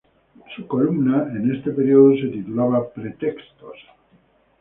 Su columna en este periódico se titulaba "Pretextos.